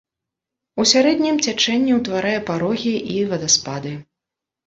У сярэднім цячэнні ўтварае парогі і вадаспады.